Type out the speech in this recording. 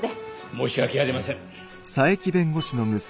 申し訳ありません。